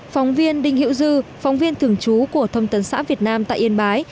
phóng viên đinh hữu dư phóng viên thường trú của thông tấn xã việt nam tại yên bái